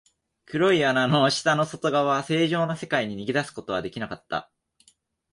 黒い穴の下の外側、正常な世界に逃げ出すことはできなかった。